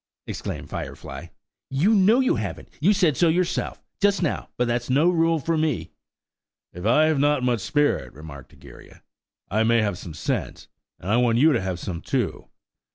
exclaimed Firefly. "You know you haven't–you said so yourself, just now; but that's no rule for me." "If I have not much spirit," remarked Egeria, "I may have some sense, and I want you to have some too.